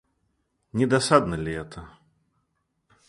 Не досадно ли это?